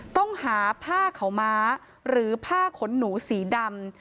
ต้องหาผ้าขาวม้าหรือผ้าขนหนูสีดำ